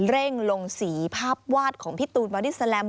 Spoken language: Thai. เร่งลงสีภาพวาดของพี่ตูนบอดี้แลม